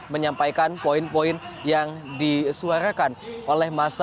menyampaikan poin poin yang disuarakan oleh masa